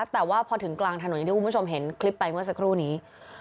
แต่ว่าพอถึงกลางถนนอย่างที่คุณผู้ชมเห็นคลิปไปเมื่อสักครู่นี้